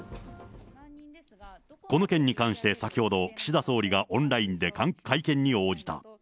この件に関して先ほど、岸田総理がオンラインで会見に応じた。